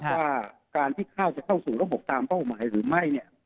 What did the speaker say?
ว่าการที่ข้าวจะเข้าสู่ระบบตามเป้าหมายหรือไม่เนี่ย